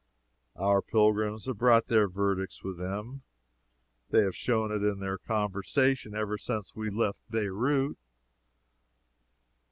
Our pilgrims have brought their verdicts with them. They have shown it in their conversation ever since we left Beirout.